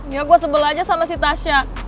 ya gue sebelah aja sama si tasya